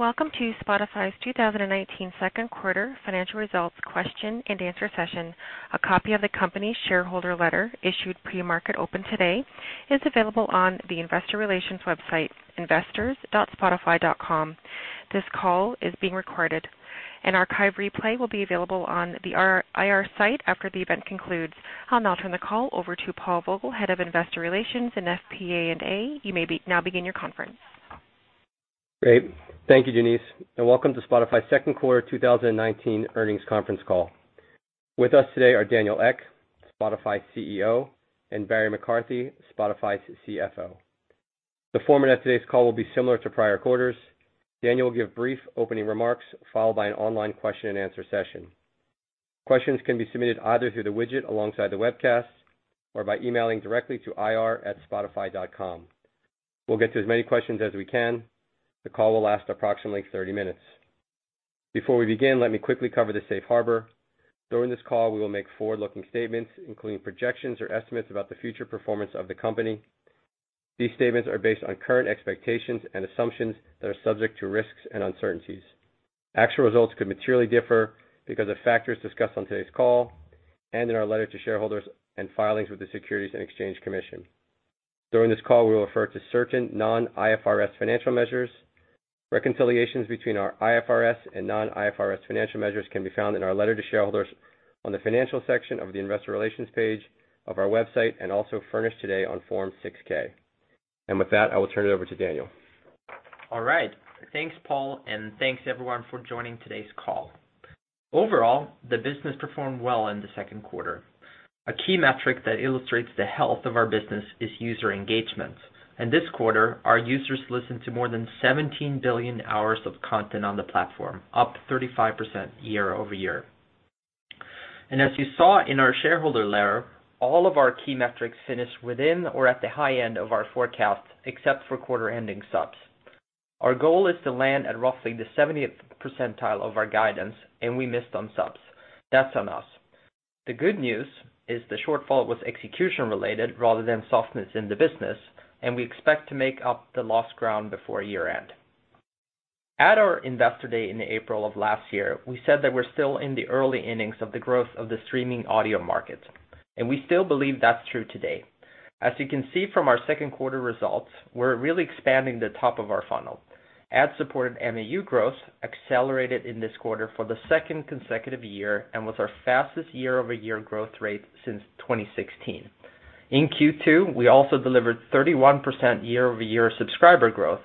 Welcome to Spotify's 2019 second quarter financial results question and answer session. A copy of the company shareholder letter issued pre-market open today is available on the investor relations website, investors.spotify.com. This call is being recorded. An archive replay will be available on the IR site after the event concludes. I'll now turn the call over to Paul Vogel, Head of Investor Relations and FP&A. You may now begin your conference. Great. Thank you, Denise, and welcome to Spotify's second quarter 2019 earnings conference call. With us today are Daniel Ek, Spotify's CEO, and Barry McCarthy, Spotify's CFO. The format of today's call will be similar to prior quarters. Daniel will give brief opening remarks, followed by an online question and answer session. Questions can be submitted either through the widget alongside the webcast or by emailing directly to ir@spotify.com. We'll get to as many questions as we can. The call will last approximately 30 minutes. Before we begin, let me quickly cover the safe harbor. During this call, we will make forward-looking statements, including projections or estimates about the future performance of the company. These statements are based on current expectations and assumptions that are subject to risks and uncertainties. Actual results could materially differ because of factors discussed on today's call and in our letter to shareholders and filings with the Securities and Exchange Commission. During this call, we will refer to certain non-IFRS financial measures. Reconciliations between our IFRS and non-IFRS financial measures can be found in our letter to shareholders on the financial section of the investor relations page of our website and also furnished today on Form 6-K. With that, I will turn it over to Daniel. All right. Thanks, Paul, and thanks everyone for joining today's call. Overall, the business performed well in the second quarter. A key metric that illustrates the health of our business is user engagement. This quarter, our users listened to more than 17 billion hours of content on the platform, up 35% year-over-year. As you saw in our shareholder letter, all of our key metrics finished within or at the high end of our forecast, except for quarter ending subs. Our goal is to land at roughly the 70th percentile of our guidance, we missed on subs. That's on us. The good news is the shortfall was execution related rather than softness in the business, we expect to make up the lost ground before year-end. At our Investor Day in April of last year, we said that we're still in the early innings of the growth of the streaming audio market. We still believe that's true today. As you can see from our second quarter results, we're really expanding the top of our funnel. Ad-supported MAU growth accelerated in this quarter for the second consecutive year and was our fastest year-over-year growth rate since 2016. In Q2, we also delivered 31% year-over-year subscriber growth,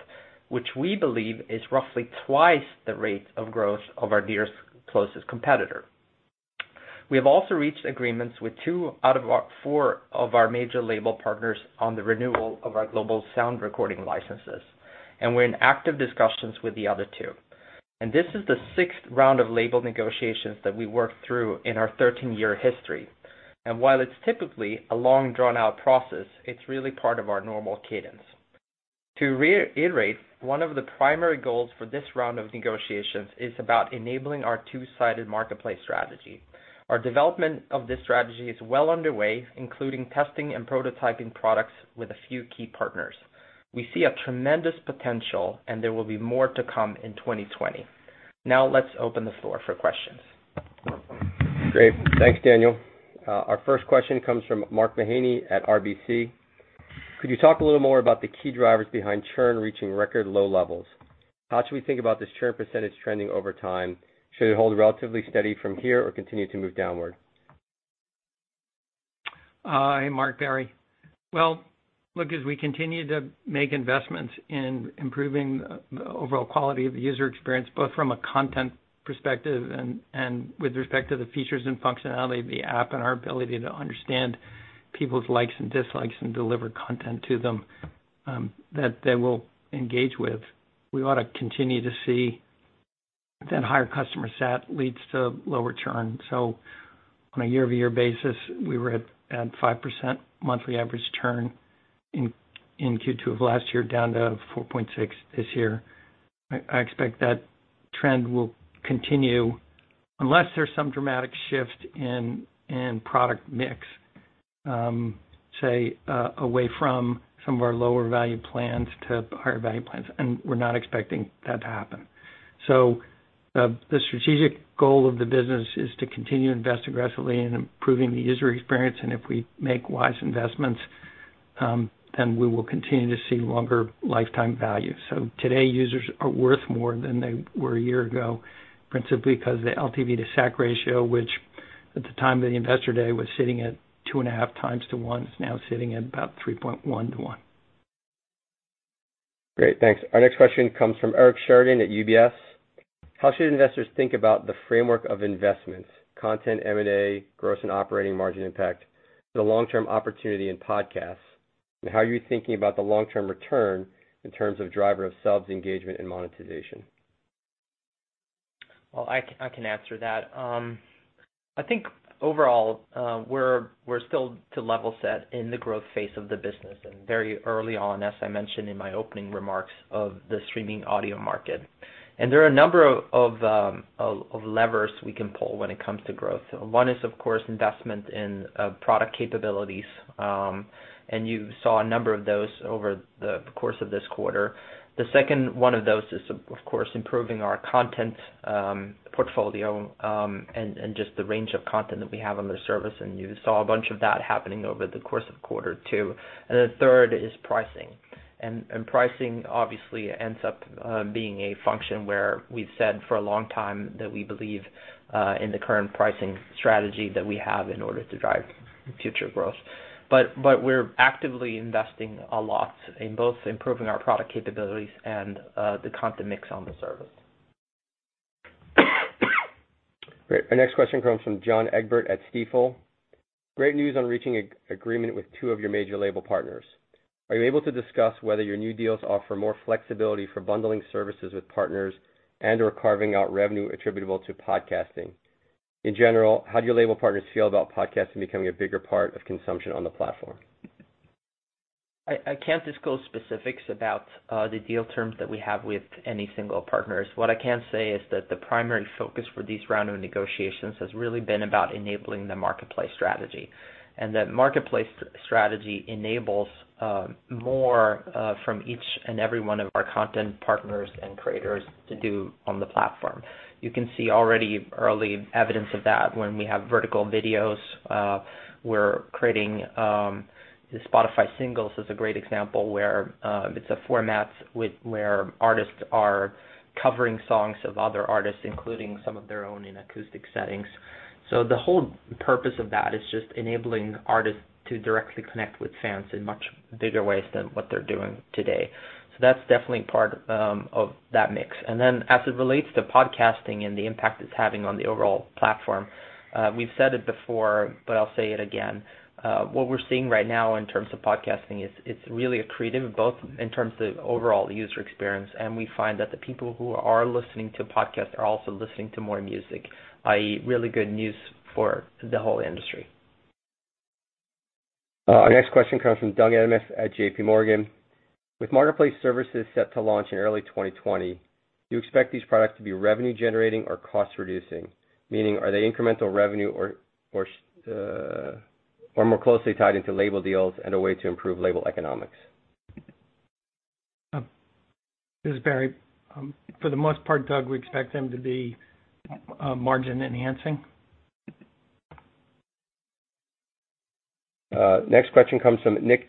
which we believe is roughly twice the rate of growth of our nearest closest competitor. We have also reached agreements with two out of four of our major label partners on the renewal of our global sound recording licenses. We're in active discussions with the other two. This is the sixth round of label negotiations that we worked through in our 13-year history. While it's typically a long, drawn-out process, it's really part of our normal cadence. To reiterate, one of the primary goals for this round of negotiations is about enabling our Two-sided marketplace strategy. Our development of this strategy is well underway, including testing and prototyping products with a few key partners. We see a tremendous potential, and there will be more to come in 2020. Now, let's open the floor for questions. Great. Thanks, Daniel. Our first question comes from Mark Mahaney at RBC. Could you talk a little more about the key drivers behind churn reaching record low levels? How should we think about this churn % trending over time? Should it hold relatively steady from here or continue to move downward? Hi, Mark. Barry. Well, look, as we continue to make investments in improving the overall quality of the user experience, both from a content perspective and with respect to the features and functionality of the app and our ability to understand people's likes and dislikes and deliver content to them that they will engage with, we ought to continue to see that higher customer sat leads to lower churn. On a year-over-year basis, we were at 5% monthly average churn in Q2 of last year, down to 4.6% this year. I expect that trend will continue unless there's some dramatic shift in product mix, say, away from some of our lower value plans to higher value plans, and we're not expecting that to happen. The strategic goal of the business is to continue to invest aggressively in improving the user experience, and if we make wise investments, then we will continue to see longer lifetime value. Today, users are worth more than they were a year ago, principally because the LTV to SAC ratio, which at the time of the Investor Day, was sitting at 2.5 times to 1, is now sitting at about 3.1 to 1. Great. Thanks. Our next question comes from Eric Sheridan at UBS. How should investors think about the framework of investments, content, M&A, gross and operating margin impact, the long-term opportunity in podcasts, and how are you thinking about the long-term return in terms of driver of subs engagement and monetization? Well, I can answer that. I think overall, we're still to level set in the growth phase of the business and very early on, as I mentioned in my opening remarks, of the streaming audio market. There are a number of levers we can pull when it comes to growth. One is, of course, investment in product capabilities, and you saw a number of those over the course of this quarter. The second one of those is, of course, improving our content portfolio, and just the range of content that we have on the service, and you saw a bunch of that happening over the course of quarter 2. The third is pricing. Pricing obviously ends up being a function where we've said for a long time that we believe in the current pricing strategy that we have in order to drive future growth. We're actively investing a lot in both improving our product capabilities and the content mix on the service. Great. Our next question comes from John Egbert at Stifel. Great news on reaching an agreement with two of your major label partners. Are you able to discuss whether your new deals offer more flexibility for bundling services with partners and/or carving out revenue attributable to podcasting? In general, how do your label partners feel about podcasting becoming a bigger part of consumption on the platform? I can't disclose specifics about the deal terms that we have with any single partners. What I can say is that the primary focus for these round of negotiations has really been about enabling the two-sided marketplace strategy. That two-sided marketplace strategy enables more from each and every one of our content partners and creators to do on the platform. You can see already early evidence of that when we have vertical videos. We're creating the Spotify Singles as a great example, where it's a format where artists are covering songs of other artists, including some of their own in acoustic settings. The whole purpose of that is just enabling artists to directly connect with fans in much bigger ways than what they're doing today. That's definitely part of that mix. As it relates to podcasting and the impact it's having on the overall platform, we've said it before, but I'll say it again. What we're seeing right now in terms of podcasting is it's really accretive both in terms of overall user experience, and we find that the people who are listening to podcasts are also listening to more music, i.e., really good news for the whole industry. Our next question comes from Doug Anmuth at JP Morgan. With marketplace services set to launch in early 2020, do you expect these products to be revenue-generating or cost-reducing? Meaning are they incremental revenue or more closely tied into label deals and a way to improve label economics? This is Barry. For the most part, Doug, we expect them to be margin-enhancing. Next question comes from Nick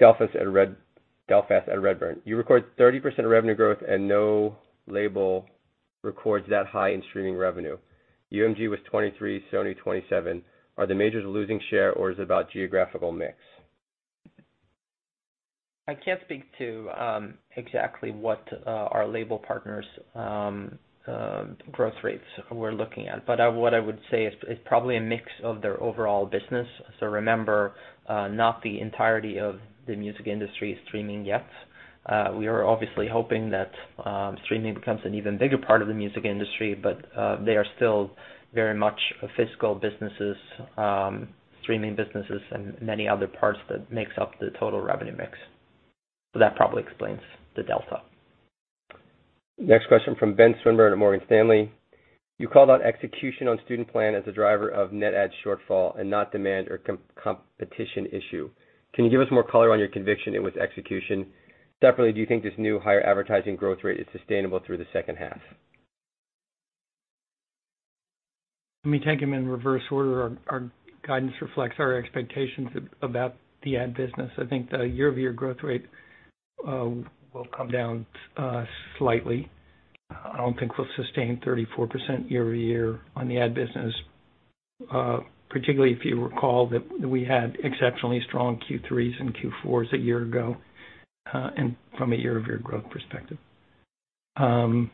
Delfas at Redburn. You record 30% of revenue growth and no label records that high in streaming revenue. UMG was 23%, Sony 27%. Are the majors losing share or is it about geographical mix? I can't speak to exactly what our label partners' growth rates were looking at. What I would say is it's probably a mix of their overall business. Remember, not the entirety of the music industry is streaming yet. We are obviously hoping that streaming becomes an even bigger part of the music industry, but they are still very much physical businesses, streaming businesses, and many other parts that makes up the total revenue mix. That probably explains the delta. Next question from Ben Swinburne at Morgan Stanley. You called out execution on student plan as a driver of net ad shortfall and not demand or competition issue. Can you give us more color on your conviction it was execution? Separately, do you think this new higher advertising growth rate is sustainable through the second half? Let me take them in reverse order. Our guidance reflects our expectations about the ad business. I think the year-over-year growth rate will come down slightly. I don't think we'll sustain 34% year-over-year on the ad business. Particularly if you recall that we had exceptionally strong Q3s and Q4s a year ago, from a year-over-year growth perspective. I'm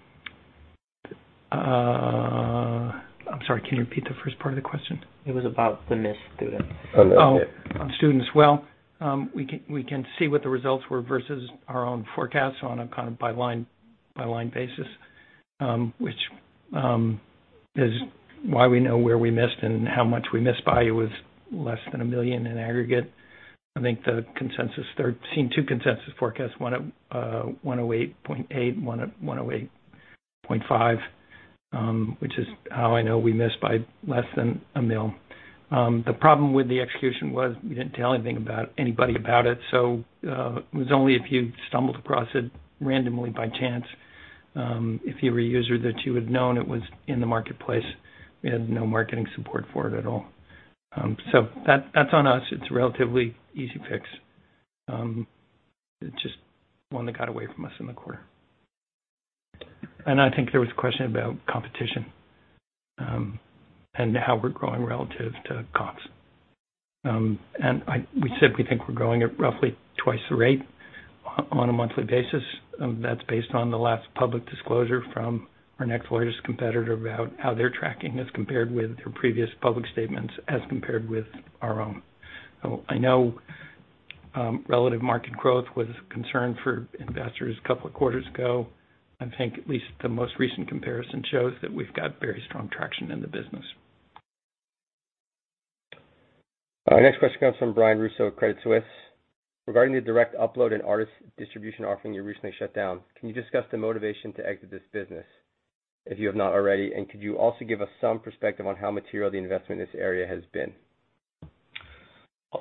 sorry, can you repeat the first part of the question? It was about the missed students. On students. Well, we can see what the results were versus our own forecasts on a kind of by-line basis, which is why we know where we missed and how much we missed by. It was less than 1 million in aggregate. I think the consensus there, seeing two consensus forecasts, 108.8, 108.5, which is how I know we missed by less than 1 million. The problem with the execution was we didn't tell anything about anybody about it. It was only if you stumbled across it randomly by chance. If you were a user that you would've known it was in the marketplace, we had no marketing support for it at all. That's on us. It's a relatively easy fix. It's just one that got away from us in the quarter. I think there was a question about competition, how we're growing relative to Apple. We said we think we're growing at roughly twice the rate on a monthly basis. That's based on the last public disclosure from our next largest competitor about how their tracking has compared with their previous public statements as compared with our own. I know relative market growth was a concern for investors a couple of quarters ago. I think at least the most recent comparison shows that we've got very strong traction in the business. Our next question comes from Brian Russo, Credit Suisse. Regarding the direct upload and artist distribution offering you recently shut down, can you discuss the motivation to exit this business, if you have not already? Could you also give us some perspective on how material the investment in this area has been?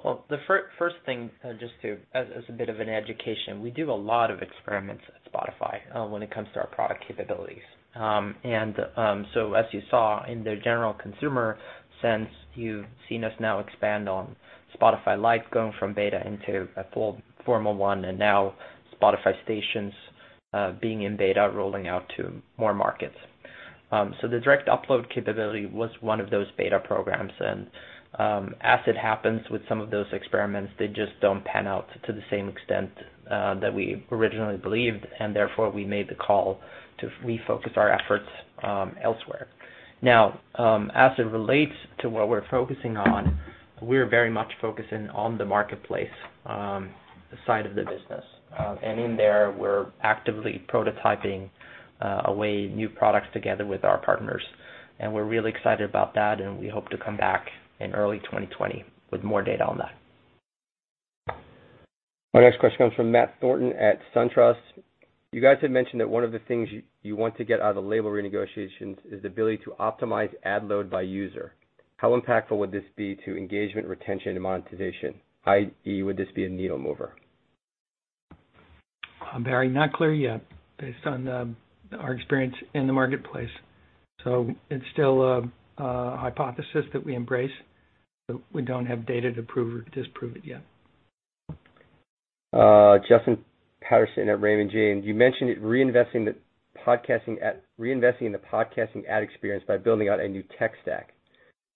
Well, the first thing, just as a bit of an education, we do a lot of experiments at Spotify when it comes to our product capabilities. As you saw in the general consumer sense, you've seen us now expand on Spotify Lite going from beta into a full formal one, and now Spotify Stations being in beta, rolling out to more markets. The direct upload capability was one of those beta programs. As it happens with some of those experiments, they just don't pan out to the same extent that we originally believed and therefore we made the call to refocus our efforts elsewhere. Now, as it relates to what we're focusing on, we're very much focusing on the marketplace, the side of the business. In there, we're actively prototyping a way, new products together with our partners, and we're really excited about that, and we hope to come back in early 2020 with more data on that. My next question comes from Matt Thornton at SunTrust. You guys had mentioned that one of the things you want to get out of the label renegotiations is the ability to optimize ad load by user. How impactful would this be to engagement, retention, and monetization, i.e. would this be a needle mover? Barry, not clear yet based on our experience in the marketplace. It's still a hypothesis that we embrace, but we don't have data to prove or disprove it yet. Justin Patterson at Raymond James. You mentioned reinvesting in the podcasting ad experience by building out a new tech stack.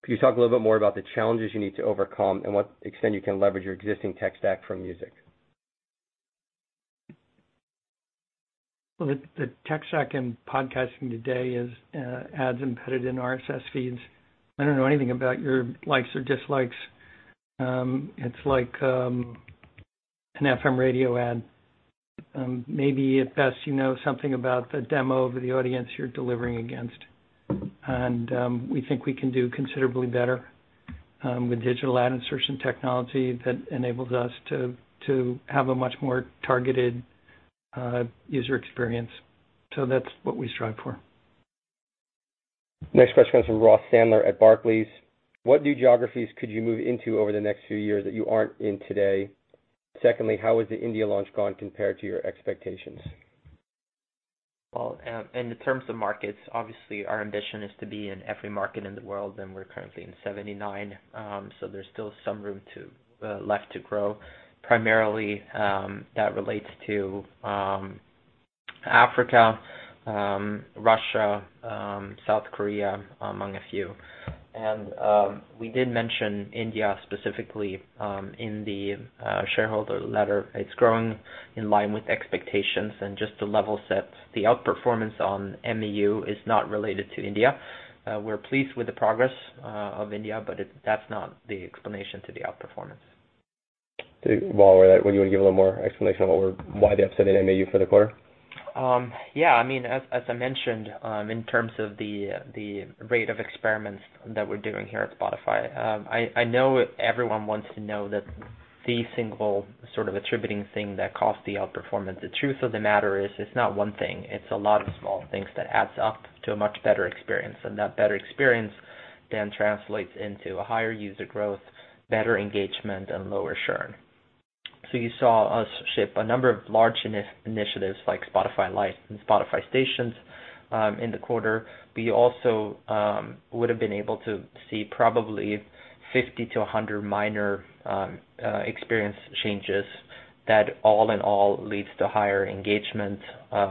Can you talk a little bit more about the challenges you need to overcome and what extent you can leverage your existing tech stack from music? Well, the tech stack in podcasting today is ads embedded in RSS feeds. I don't know anything about your likes or dislikes. It's like an FM radio ad. Maybe at best you know something about the demo of the audience you're delivering against. We think we can do considerably better with digital ad insertion technology that enables us to have a much more targeted user experience. That's what we strive for. Next question comes from Ross Sandler at Barclays. What new geographies could you move into over the next few years that you aren't in today? Secondly, how has the India launch gone compared to your expectations? Well, in the terms of markets, obviously our ambition is to be in every market in the world, and we're currently in 79. There's still some room left to grow. Primarily, that relates to Africa, Russia, South Korea, among a few. We did mention India specifically in the shareholder letter. It's growing in line with expectations and just to level set, the outperformance on MAU is not related to India. We're pleased with the progress of India, but that's not the explanation to the outperformance. While we're at it, would you want to give a little more explanation about why the upside in MAU for the quarter? Yeah. As I mentioned, in terms of the rate of experiments that we're doing here at Spotify, I know everyone wants to know that the single sort of attributing thing that caused the outperformance. The truth of the matter is, it's not one thing. It's a lot of small things that adds up to a much better experience. That better experience translates into a higher user growth, better engagement, and lower churn. You saw us ship a number of large initiatives like Spotify Lite and Spotify Stations in the quarter. You also would've been able to see probably 50 to 100 minor experience changes that all in all leads to higher engagement,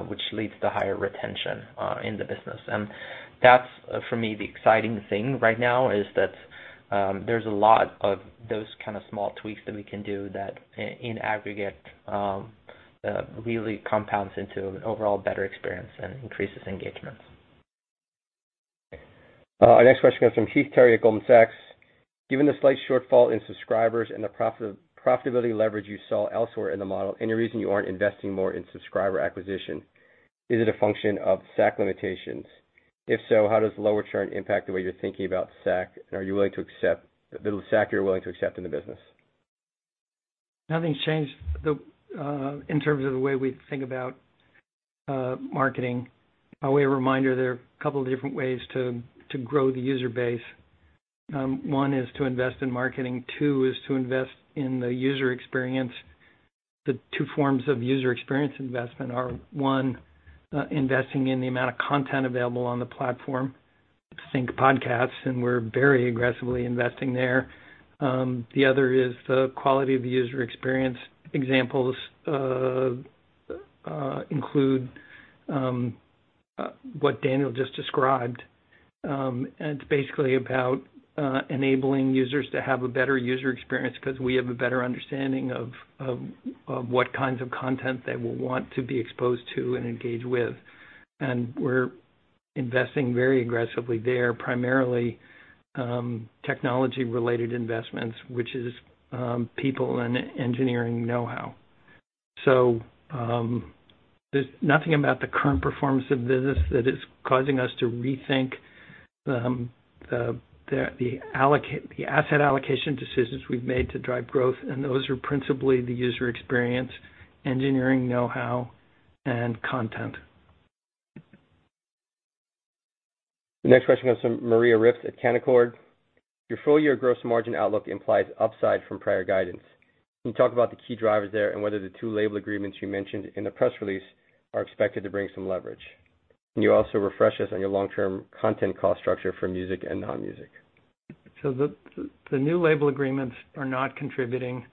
which leads to higher retention in the business. That's, for me, the exciting thing right now is that there's a lot of those kind of small tweaks that we can do that in aggregate, really compounds into an overall better experience and increases engagement. Our next question comes from Heath Terry at Goldman Sachs. Given the slight shortfall in subscribers and the profitability leverage you saw elsewhere in the model, any reason you aren't investing more in subscriber acquisition? Is it a function of SAC limitations? If so, how does lower churn impact the way you're thinking about SAC? The SAC you're willing to accept in the business? Nothing's changed in terms of the way we think about marketing. By way of reminder, there are a couple of different ways to grow the user base. One is to invest in marketing, two is to invest in the user experience. The two forms of user experience investment are, one, investing in the amount of content available on the platform, think podcasts, and we're very aggressively investing there. The other is the quality of the user experience. Examples include what Daniel just described. It's basically about enabling users to have a better user experience because we have a better understanding of what kinds of content they will want to be exposed to and engage with. We're investing very aggressively there, primarily technology-related investments, which is people and engineering know-how. There's nothing about the current performance of the business that is causing us to rethink the asset allocation decisions we've made to drive growth, and those are principally the user experience, engineering know-how, and content. The next question comes from Maria Ripps at Canaccord. Your full year gross margin outlook implies upside from prior guidance. Can you talk about the key drivers there and whether the two label agreements you mentioned in the press release are expected to bring some leverage? Can you also refresh us on your long-term content cost structure for music and non-music? The new label agreements are not contributing.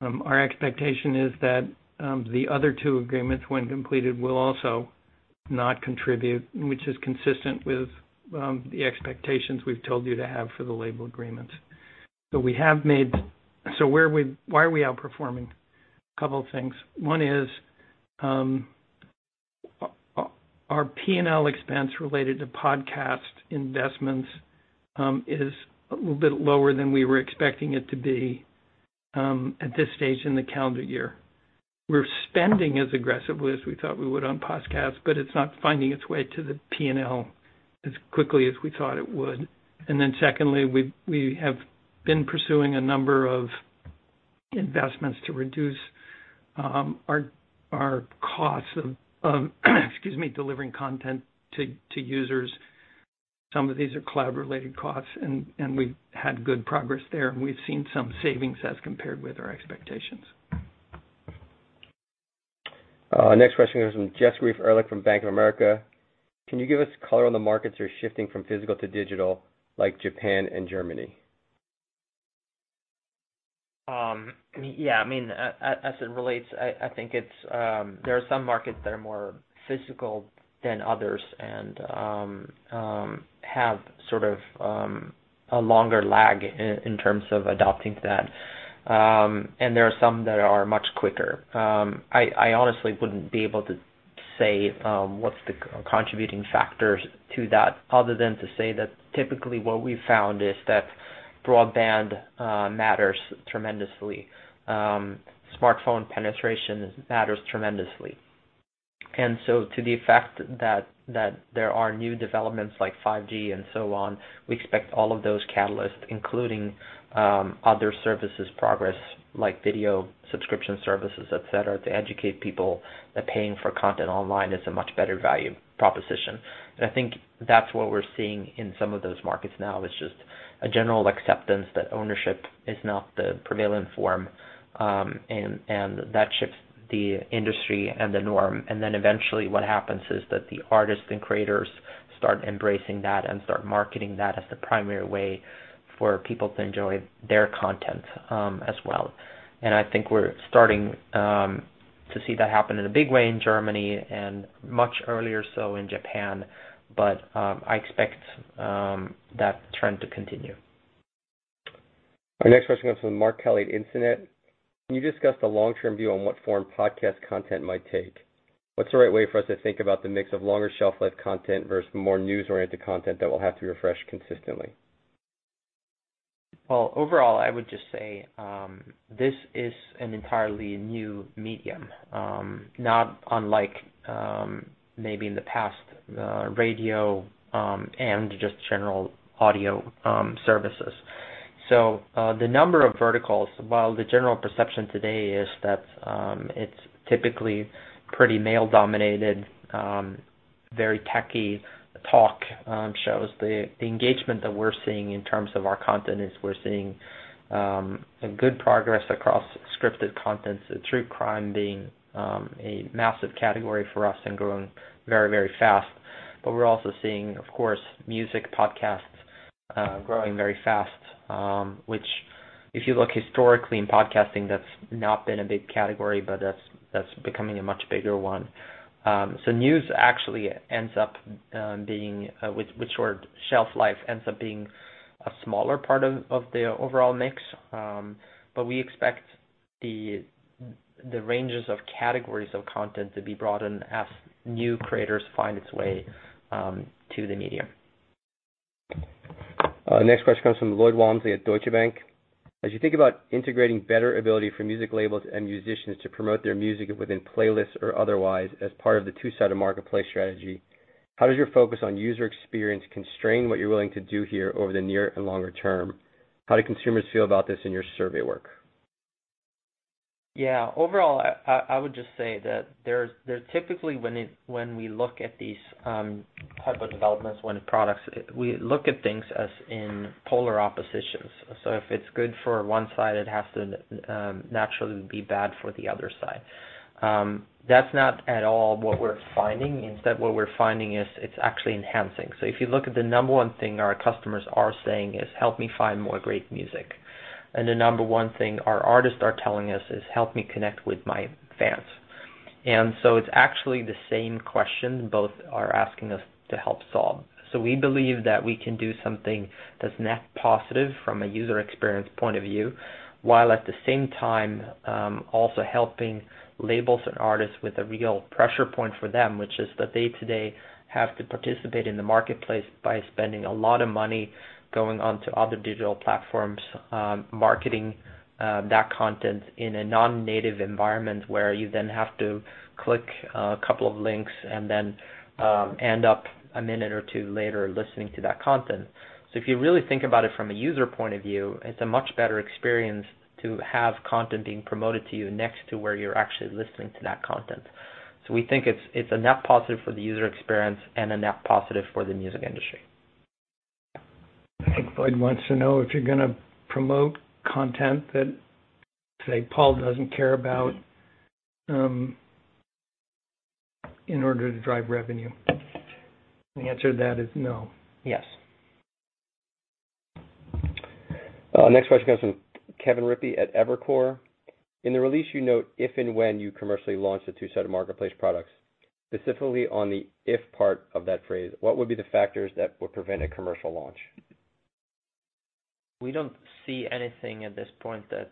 Our expectation is that the other two agreements, when completed, will also not contribute, which is consistent with the expectations we've told you to have for the label agreements. Why are we outperforming? A couple of things. One is, our P&L expense related to podcast investments is a little bit lower than we were expecting it to be at this stage in the calendar year. We're spending as aggressively as we thought we would on podcasts, but it's not finding its way to the P&L as quickly as we thought it would. Secondly, we have been pursuing a number of investments to reduce our costs of delivering content to users. Some of these are cloud-related costs, and we've had good progress there, and we've seen some savings as compared with our expectations. Next question comes from Jessica Reif Ehrlich from Bank of America. Can you give us color on the markets that are shifting from physical to digital, like Japan and Germany? As it relates, I think there are some markets that are more physical than others, and have sort of a longer lag in terms of adopting that. There are some that are much quicker. I honestly wouldn't be able to say what's the contributing factors to that other than to say that typically what we've found is that broadband matters tremendously. Smartphone penetration matters tremendously. To the effect that there are new developments like 5G and so on, we expect all of those catalysts, including other services progress, like video subscription services, et cetera, to educate people that paying for content online is a much better value proposition. I think that's what we're seeing in some of those markets now, is just a general acceptance that ownership is not the prevalent form, and that shifts the industry and the norm. Eventually what happens is that the artists and creators start embracing that and start marketing that as the primary way for people to enjoy their content as well. I think we're starting to see that happen in a big way in Germany and much earlier so in Japan. I expect that trend to continue. Our next question comes from Mark Kelley at Instinet. Can you discuss the long-term view on what form podcast content might take? What's the right way for us to think about the mix of longer shelf life content versus more news-oriented content that will have to refresh consistently? Well, overall, I would just say this is an entirely new medium. Not unlike maybe in the past, radio and just general audio services. The number of verticals, while the general perception today is that it's typically pretty male-dominated, very techie talk shows. The engagement that we're seeing in terms of our content is we're seeing a good progress across scripted content, true crime being a massive category for us and growing very fast. We're also seeing, of course, music podcasts growing very fast. Which if you look historically in podcasting, that's not been a big category, but that's becoming a much bigger one. News actually ends up being, with short shelf life, ends up being a smaller part of the overall mix. We expect the ranges of categories of content to be broadened as new creators find its way to the medium. Next question comes from Lloyd Walmsley at Deutsche Bank. As you think about integrating better ability for music labels and musicians to promote their music within playlists or otherwise as part of the two-sided marketplace strategy, how does your focus on user experience constrain what you're willing to do here over the near and longer term? How do consumers feel about this in your survey work? Overall, I would just say that there's typically when we look at these type of developments, when products, we look at things as in polar oppositions. If it's good for one side, it has to naturally be bad for the other side. That's not at all what we're finding. Instead, what we're finding is it's actually enhancing. If you look at the number one thing our customers are saying is, "Help me find more great music." The number one thing our artists are telling us is, "Help me connect with my fans." It's actually the same question both are asking us to help solve. We believe that we can do something that's net positive from a user experience point of view, while at the same time, also helping labels and artists with a real pressure point for them, which is that they today have to participate in the marketplace by spending a lot of money going onto other digital platforms, marketing that content in a non-native environment where you then have to click a couple of links and then end up a minute or two later listening to that content. If you really think about it from a user point of view, it's a much better experience to have content being promoted to you next to where you're actually listening to that content. We think it's a net positive for the user experience and a net positive for the music industry. I think Lloyd wants to know if you're going to promote content that, say, Paul doesn't care about in order to drive revenue. The answer to that is no. Yes. Next question comes from Kevin Rippey at Evercore. In the release you note if and when you commercially launch the two-sided marketplace products. Specifically on the if part of that phrase, what would be the factors that would prevent a commercial launch? We don't see anything at this point that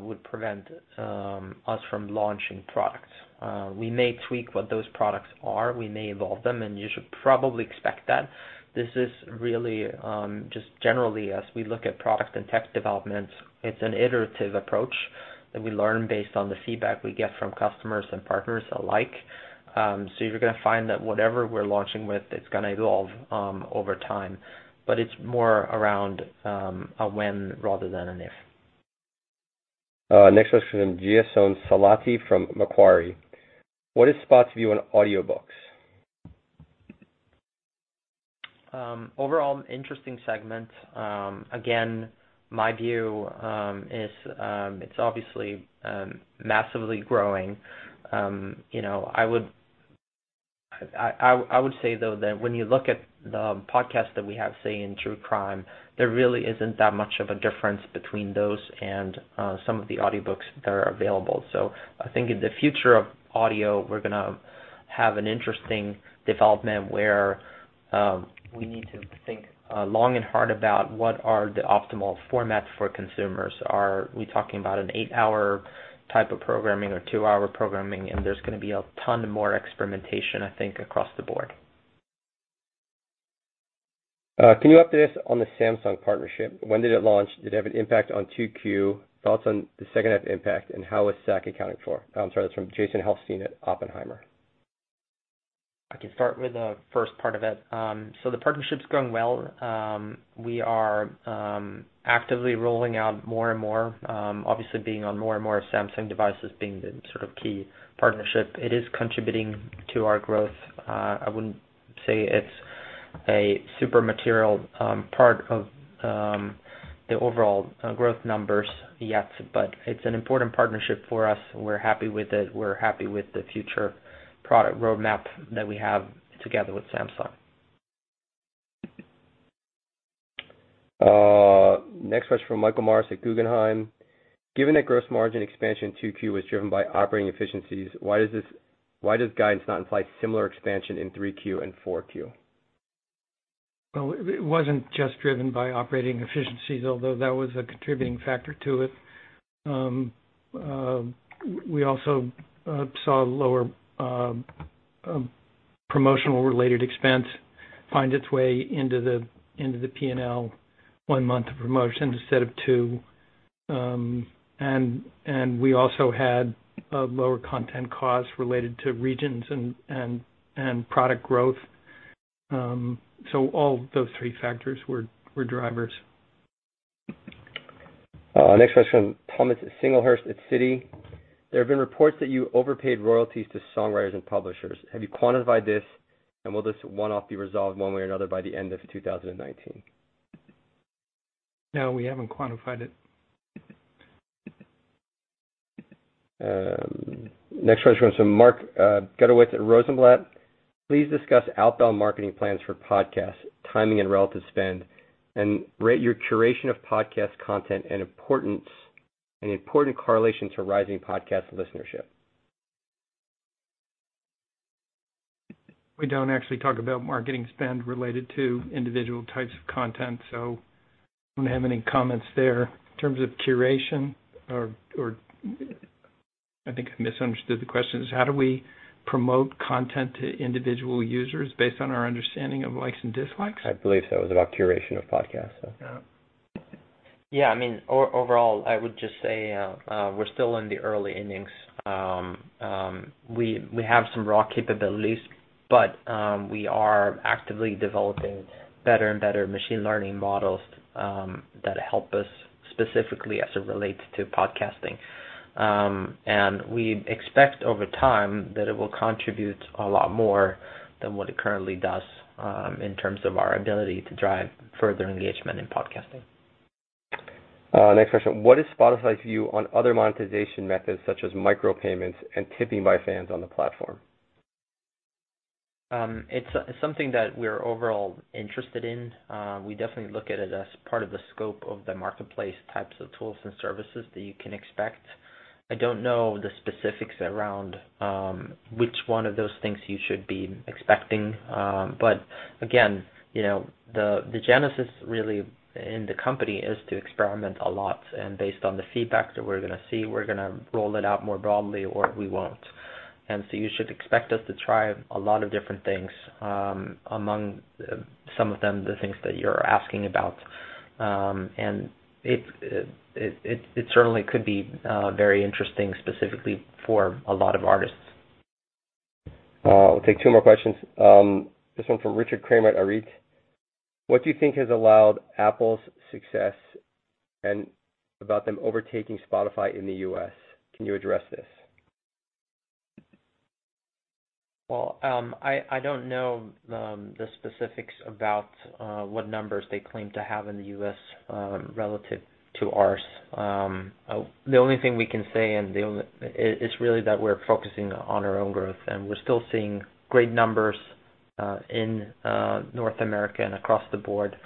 would prevent us from launching products. We may tweak what those products are. We may evolve them, and you should probably expect that. This is really just generally as we look at product and tech development, it's an iterative approach that we learn based on the feedback we get from customers and partners alike. You're going to find that whatever we're launching with, it's going to evolve over time. It's more around a when rather than an if. Next question from Giasone Salati from Macquarie. What is Spot's view on audiobooks? Overall, an interesting segment. Again, my view is it's obviously massively growing. I would say, though, that when you look at the podcasts that we have, say, in true crime, there really isn't that much of a difference between those and some of the audiobooks that are available. I think in the future of audio, we're going to have an interesting development where we need to think long and hard about what are the optimal formats for consumers. Are we talking about an 8-hour type of programming or 2-hour programming? There's going to be a ton more experimentation, I think, across the board. Can you update us on the Samsung partnership? When did it launch? Did it have an impact on 2Q? Thoughts on the second half impact, and how was SAC accounted for? I'm sorry, that's from Jason Helfstein at Oppenheimer. I can start with the first part of it. The partnership's going well. We are actively rolling out more and more. Obviously being on more and more Samsung devices being the sort of key partnership. It is contributing to our growth. I wouldn't say it's a super material part of the overall growth numbers yet, but it's an important partnership for us. We're happy with it. We're happy with the future product roadmap that we have together with Samsung. Next question from Michael Morris at Guggenheim. Given that gross margin expansion 2Q was driven by operating efficiencies, why does guidance not imply similar expansion in 3Q and 4Q? It wasn't just driven by operating efficiencies, although that was a contributing factor to it. We also saw lower promotional related expense find its way into the P&L one month of promotion instead of two. We also had lower content costs related to regions and product growth. All those three factors were drivers. Next question from Thomas Singlehurst at Citi. There have been reports that you overpaid royalties to songwriters and publishers. Have you quantified this, and will this one-off be resolved one way or another by the end of 2019? No, we haven't quantified it. Next question comes from Mark Zgutowicz at Rosenblatt. Please discuss outbound marketing plans for podcasts, timing and relative spend, and rate your curation of podcast content and important correlation to rising podcast listenership? We don't actually talk about marketing spend related to individual types of content, so I don't have any comments there. In terms of curation or I think I misunderstood the question. How do we promote content to individual users based on our understanding of likes and dislikes? I believe so. It was about curation of podcasts. Yeah. Yeah. I mean, overall, I would just say we're still in the early innings. We have some raw capabilities, but we are actively developing better and better machine learning models that help us specifically as it relates to podcasting. We expect over time that it will contribute a lot more than what it currently does in terms of our ability to drive further engagement in podcasting. Next question. What is Spotify's view on other monetization methods such as micro payments and tipping by fans on the platform? It's something that we're overall interested in. We definitely look at it as part of the scope of the marketplace types of tools and services that you can expect. I don't know the specifics around which one of those things you should be expecting. Again, the genesis really in the company is to experiment a lot, and based on the feedback that we're going to see, we're going to roll it out more broadly or we won't. You should expect us to try a lot of different things, among some of them, the things that you're asking about. It certainly could be very interesting specifically for a lot of artists. We'll take two more questions. This one's from Richard Kramer at Arete. What do you think has allowed Apple's success and about them overtaking Spotify in the U.S.? Can you address this? Well, I don't know the specifics about what numbers they claim to have in the U.S. relative to ours. The only thing we can say is really that we're focusing on our own growth, and we're still seeing great numbers in North America and across the board.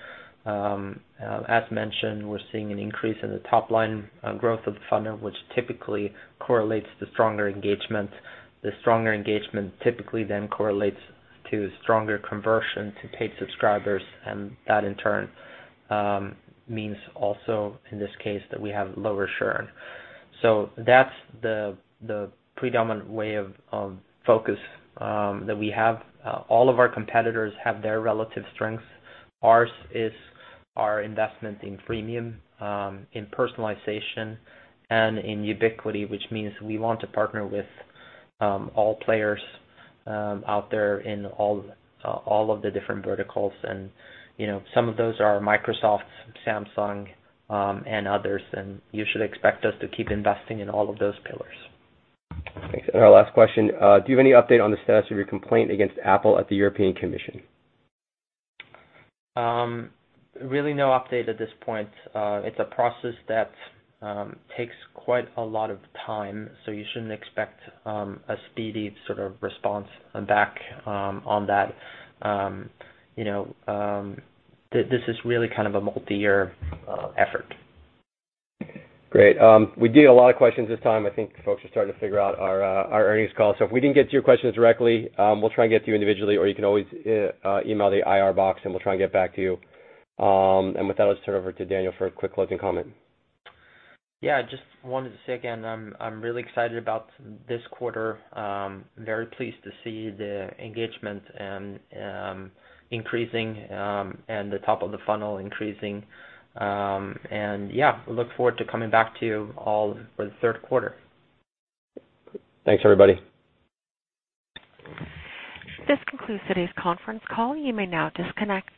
As mentioned, we're seeing an increase in the top-line growth of the funnel, which typically correlates to stronger engagement. The stronger engagement typically then correlates to stronger conversion to paid subscribers, and that in turn means also, in this case, that we have lower churn. That's the predominant way of focus that we have. All of our competitors have their relative strengths. Ours is our investment in freemium, in personalization, and in ubiquity. Which means we want to partner with all players out there in all of the different verticals. Some of those are Microsoft, Samsung, and others, and you should expect us to keep investing in all of those pillars. Thanks. Our last question, do you have any update on the status of your complaint against Apple at the European Commission? Really no update at this point. It's a process that takes quite a lot of time. You shouldn't expect a speedy sort of response back on that. This is really kind of a multi-year effort. Great. We did a lot of questions this time. I think folks are starting to figure out our earnings call. If we didn't get to your questions directly, we'll try and get to you individually, or you can always email the IR box, and we'll try and get back to you. With that, let's turn it over to Daniel for a quick closing comment. Yeah, just wanted to say again, I'm really excited about this quarter. Very pleased to see the engagement increasing and the top of the funnel increasing. Yeah, look forward to coming back to you all for the third quarter. Thanks, everybody. This concludes today's conference call. You may now disconnect.